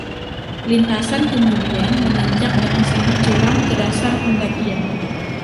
Lintasan kemudian menanjak dengan sangat curam ke dasar pendakian.